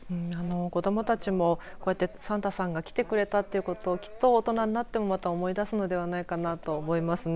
子どもたちもこうやってサンタさんが来てくれたということをきっと大人になってもまた思い出すのではないかと思いますね。